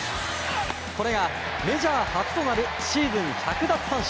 これがメジャー初となるシーズン１００奪三振。